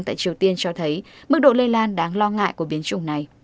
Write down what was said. tại triều tiên cho thấy mức độ lây lan đáng lo ngại của biến chủng này